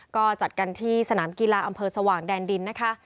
ก็จัดกันที่สนามกีฬาอำเภอสว่างแดนดินนะคะ